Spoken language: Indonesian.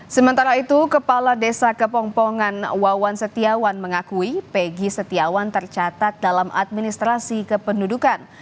sementara itu kepala desa kepompongan wawan setiawan mengakui pegi setiawan tercatat dalam administrasi kependudukan